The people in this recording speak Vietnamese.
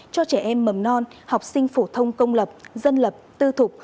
cho trẻ em mầm non học sinh phổ thông công lập dân lập tư thục